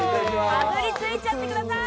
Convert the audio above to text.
かぶりついちゃってください。